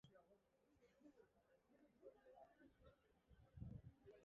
Horrez gain, bi saioek egun eguneko gaien inguruko solasaldia izango dute.